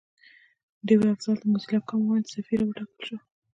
ډیوه افضل د موزیلا کامن وایس سفیره وټاکل شوه